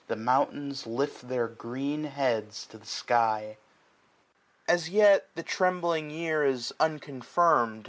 The mountains lift their green heads to the sky. As yet the trembling year is unconfirmed.